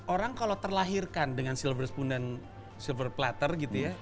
orang kalau terlahirkan dengan silver spoon dan silver platter gitu ya